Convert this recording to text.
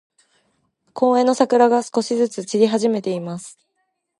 公園の桜が、少しずつ散り始めています。